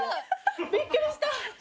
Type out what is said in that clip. びっくりした。